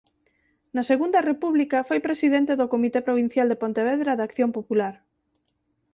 Na Segunda República foi presidente do Comité Provincial de Pontevedra de Acción Popular.